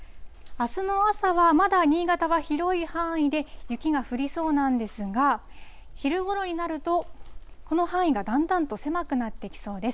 あすの朝はまだ新潟は広い範囲で雪が降りそうなんですが、昼ごろになると、この範囲がだんだんと狭くなってきそうです。